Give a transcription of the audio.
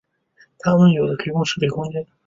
它们有的提供实体空间。